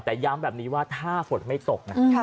แต่ย้ำแบบนี้ว่าถ้าฝนไม่ตกนะ